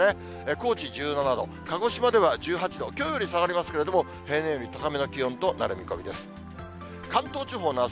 高知１７度、鹿児島では１８度、きょうより下がりますけれども、平年より高めの気温となる見込みです。